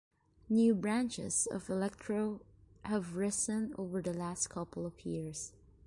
New branches of electro have risen over the last couple of years.